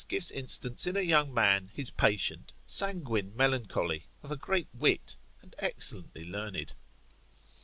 gives instance in a young man his patient, sanguine melancholy, of a great wit, and excellently learned.